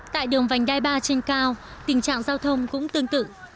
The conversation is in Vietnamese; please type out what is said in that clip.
tại đường vành đai ba trên cao tình trạng giao thông cũng tương tự